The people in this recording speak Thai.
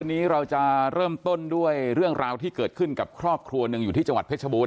วันนี้เราจะเริ่มต้นด้วยเรื่องราวที่เกิดขึ้นกับครอบครัวหนึ่งอยู่ที่จังหวัดเพชรบูร